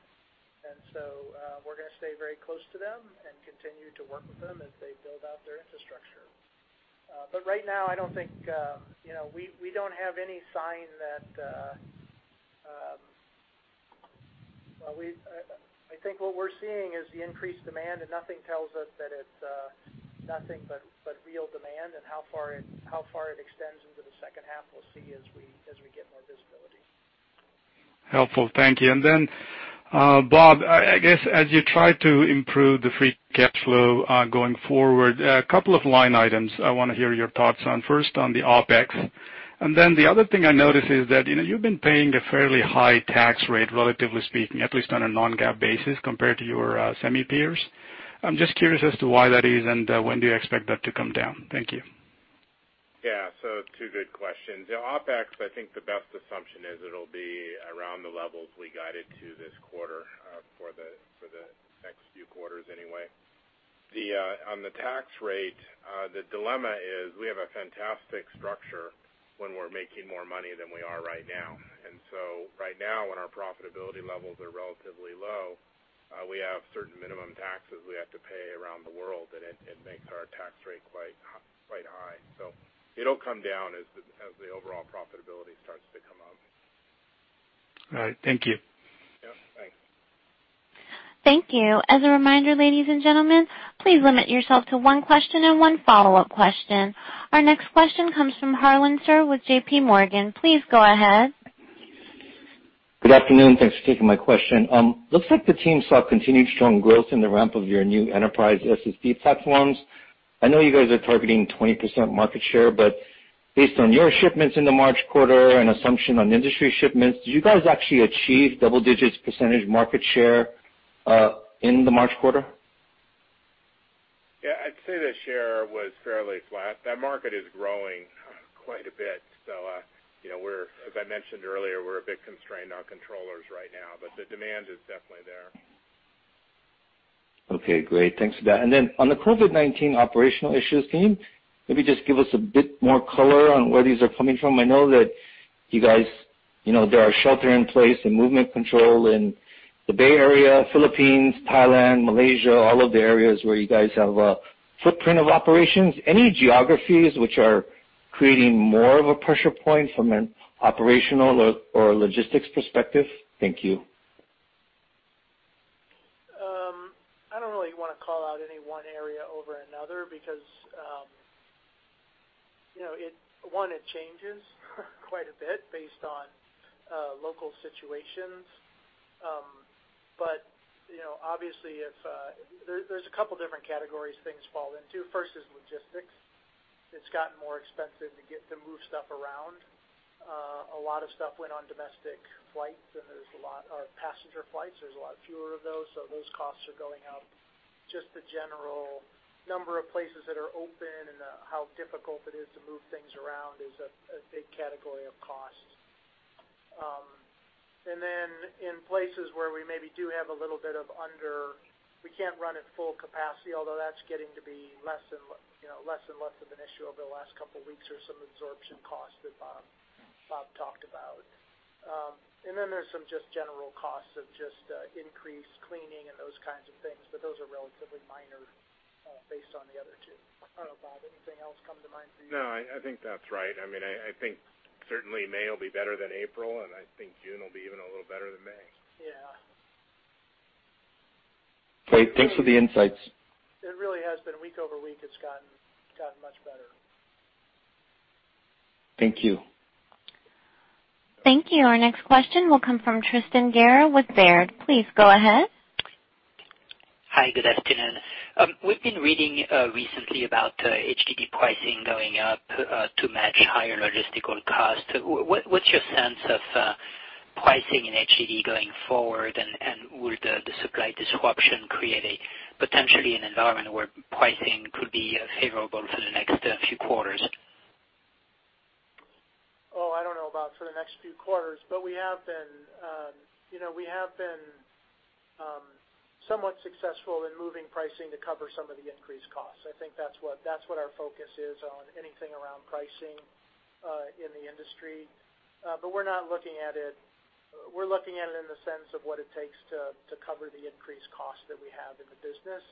We're going to stay very close to them and continue to work with them as they build out their infrastructure. Right now, we don't have any sign that I think what we're seeing is the increased demand, and nothing tells us that it's nothing but real demand and how far it extends into the second half, we'll see as we get more visibility. Helpful. Thank you. Bob, I guess as you try to improve the free cash flow going forward, a couple of line items I want to hear your thoughts on. First on the OpEx, the other thing I noticed is that you've been paying a fairly high tax rate, relatively speaking, at least on a non-GAAP basis, compared to your semi peers. I'm just curious as to why that is and when do you expect that to come down? Thank you. Yeah. Two good questions. The OpEx, I think the best assumption is it'll be around the levels we guided to this quarter for the next few quarters anyway. On the tax rate, the dilemma is we have a fantastic structure when we're making more money than we are right now. Right now, when our profitability levels are relatively low, we have certain minimum taxes we have to pay around the world, and it makes our tax rate quite high. It'll come down as the overall profitability starts to come up. All right. Thank you. Yeah. Thanks. Thank you. As a reminder, ladies and gentlemen, please limit yourself to one question and one follow-up question. Our next question comes from Harlan Sur with J.P. Morgan. Please go ahead. Good afternoon. Thanks for taking my question. Looks like the team saw continued strong growth in the ramp of your new enterprise SSD platforms. I know you guys are targeting 20% market share, but based on your shipments in the March quarter and assumption on industry shipments, do you guys actually achieve double digits percentage market share in the March quarter? Yeah, I'd say the share was fairly flat. That market is growing quite a bit. As I mentioned earlier, we're a bit constrained on controllers right now, but the demand is definitely there. Okay, great. Thanks for that. On the COVID-19 operational issues theme, maybe just give us a bit more color on where these are coming from. I know that there are shelter in place and movement control in the Bay Area, Philippines, Thailand, Malaysia, all of the areas where you guys have a footprint of operations. Any geographies which are creating more of a pressure point from an operational or a logistics perspective? Thank you. I don't really want to call out any one area over another because, one, it changes quite a bit based on local situations. Obviously, there's a couple different categories things fall into. First is logistics. It's gotten more expensive to move stuff around. A lot of stuff went on domestic passenger flights. There's a lot fewer of those, so those costs are going up. Just the general number of places that are open and how difficult it is to move things around is a big category of cost. In places where we can't run at full capacity, although that's getting to be less and less of an issue over the last couple of weeks. There's some absorption costs that Bob talked about. There's some just general costs of just increased cleaning and those kinds of things, but those are relatively minor based on the other two. I don't know, Bob, anything else come to mind for you? No, I think that's right. I think certainly May will be better than April, and I think June will be even a little better than May. Yeah. Okay, thanks for the insights. It really has been week over week, it's gotten much better. Thank you. Thank you. Our next question will come from Tristan Gerra with Baird. Please go ahead. Hi, good afternoon. We've been reading recently about HDD pricing going up to match higher logistical cost. What's your sense of pricing in HDD going forward? Will the supply disruption create potentially an environment where pricing could be favorable for the next few quarters? I don't know about for the next few quarters, but we have been somewhat successful in moving pricing to cover some of the increased costs. I think that's what our focus is on anything around pricing in the industry. We're looking at it in the sense of what it takes to cover the increased costs that we have in the business.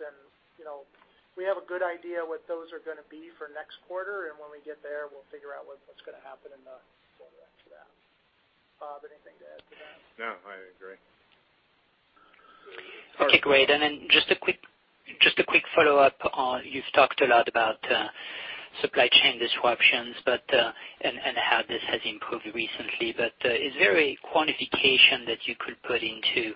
We have a good idea what those are going to be for next quarter, and when we get there, we'll figure out what's going to happen in the quarter after that. Bob, anything to add to that? No, I agree. Okay, great. Just a quick follow-up. You've talked a lot about supply chain disruptions and how this has improved recently, is there a quantification that you could put into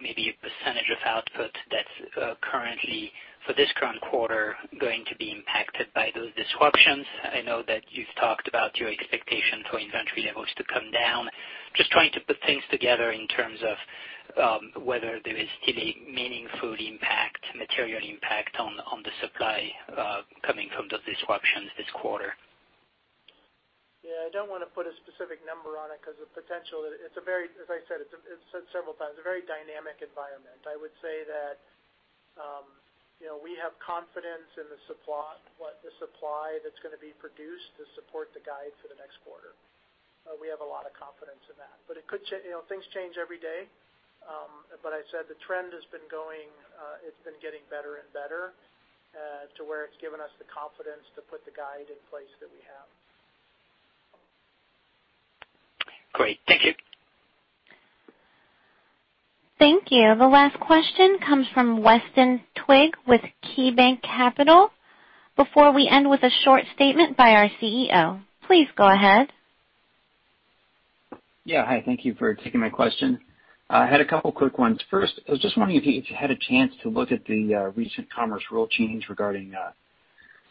maybe a % of output that's currently, for this current quarter, going to be impacted by those disruptions? I know that you've talked about your expectations for inventory levels to come down. Just trying to put things together in terms of whether there is still a meaningful impact, material impact, on the supply coming from those disruptions this quarter. Yeah, I don't want to put a specific number on it because the potential, as I said several times, it's a very dynamic environment. I would say that we have confidence in the supply that's going to be produced to support the guide for the next quarter. We have a lot of confidence in that. Things change every day. I said the trend has been getting better and better, to where it's given us the confidence to put the guide in place that we have. Great. Thank you. Thank you. The last question comes from Weston Twigg with KeyBanc Capital. Before we end with a short statement by our CEO. Please go ahead. Hi. Thank you for taking my question. I had a couple quick ones. First, I was just wondering if you had a chance to look at the recent commerce rule change regarding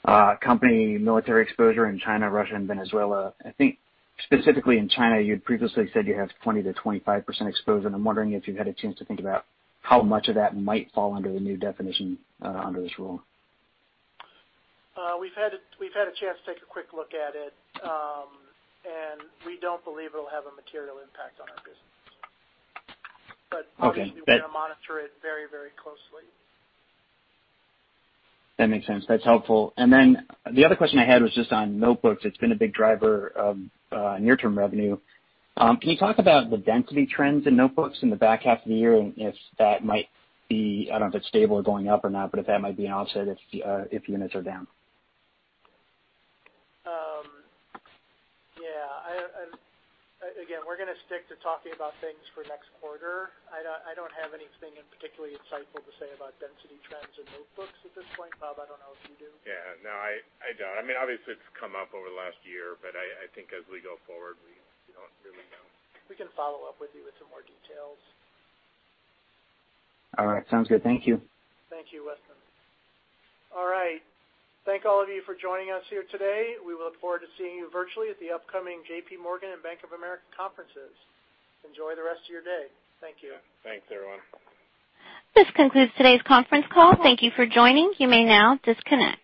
company military exposure in China, Russia, and Venezuela. I think specifically in China, you had previously said you have 20%-25% exposure, and I'm wondering if you've had a chance to think about how much of that might fall under the new definition under this rule. We've had a chance to take a quick look at it. We don't believe it'll have a material impact on our business. Okay. Obviously, we're going to monitor it very closely. That makes sense. That's helpful. The other question I had was just on notebooks. It's been a big driver of near-term revenue. Can you talk about the density trends in notebooks in the back half of the year, and if that might be, I don't know if it's stable or going up or not, but if that might be an offset if units are down? Yeah. Again, we're going to stick to talking about things for next quarter. I don't have anything particularly insightful to say about density trends in notebooks at this point. Bob, I don't know if you do. Yeah, no, I don't. Obviously, it's come up over the last year, but I think as we go forward, we don't really know. We can follow up with you with some more details. All right, sounds good. Thank you. Thank you, Weston. All right. Thank all of you for joining us here today. We look forward to seeing you virtually at the upcoming J.P. Morgan and Bank of America conferences. Enjoy the rest of your day. Thank you. Yeah. Thanks, everyone. This concludes today's conference call. Thank you for joining. You may now disconnect.